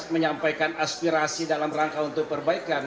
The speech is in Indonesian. menyampaikan aspirasi dalam rangka untuk perbaikan